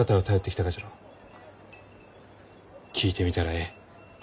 聞いてみたらえい。